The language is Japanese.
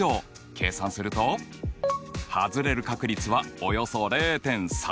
計算するとはずれる確率はおよそ０．３７だ。